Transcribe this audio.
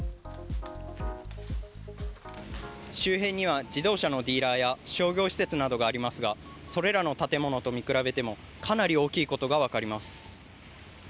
周辺には自動車のディーラーや商業施設などがありますがそれらの建物と見比べてもかなり大きいことが分かります。